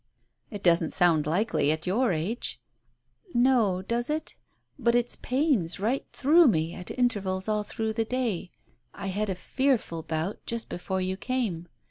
"It doesn't sound likely, at your age." "No, does it? But it's pains right through me at intervals all through the day. I had a fearful bout, just before you came.